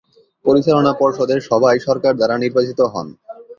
পরিচালনা পর্ষদের সবাই সরকার দ্বারা নির্বাচিত হন।